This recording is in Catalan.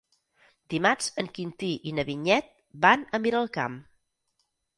Dimarts en Quintí i na Vinyet van a Miralcamp.